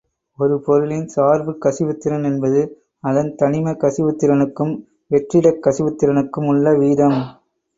ஒரு பொருளின் சார்புக் கசிவுத் திறன் என்பது அதன் தனிமக் கசிவுத் திறனுக்கும் வெற்றிடக் கசிவுத் திறனுக்குமுள்ள வீதம்.